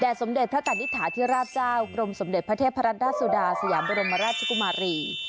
สมเด็จพระกานิษฐาธิราชเจ้ากรมสมเด็จพระเทพรัตนราชสุดาสยามบรมราชกุมารี